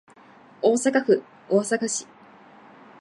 大阪府大阪市